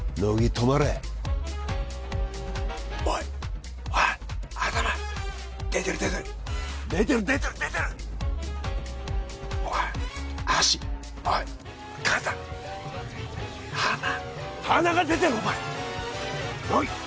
止まれおいっおいっ頭出てる出てる出てる出てる出てるおい足おいっ肩鼻鼻が出てるお前乃木下がれ！